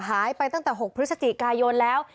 หายไปตั้งแต่๖พฤศจิกายนแล้ว